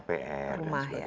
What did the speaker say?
kpr dan sebagainya